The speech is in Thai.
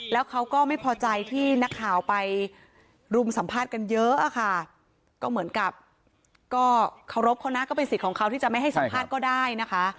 แล้วเขาก็ไม่พอใจที่นักข่าวไปรุมสัมภาษณ์กันเยอะอะค่ะก็เหมือนกับก็เคารพเขานะก็เป็นสิทธิ์ของเขาที่จะไม่ให้สัมภาษณ์ก็ได้นะคะ